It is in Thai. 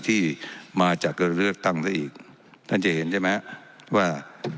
ที่มาจากการเลือกตั้งซะอีกท่านจะเห็นใช่ไหมว่า